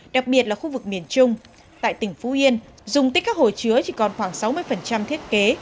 đặc biệt là khu vực miền trung tại tỉnh phú yên dùng tích các hồ chứa chỉ còn khoảng sáu mươi thiết kế